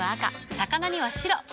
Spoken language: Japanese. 魚には白。